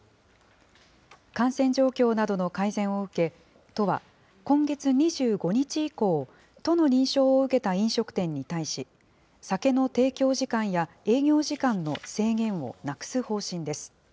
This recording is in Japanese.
感染状況などの改善を受け、都は今月２５日以降、都の認証を受けた飲食店に対し、酒の提供時間や営業時間の制限をなくす方針です。